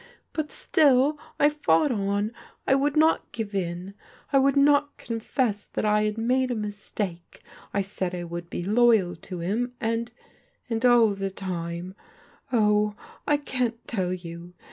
But still I fought on. I would not give in. I .would not confess that I had made a mistake. I said I PEGGY PLEADS WITH ELEANOR 365 wotdd be loyal to him, and — and all the time,— oh! I can't tell you